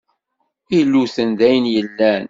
Illuten d ayen yellan.